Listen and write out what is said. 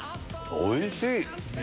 おいしい。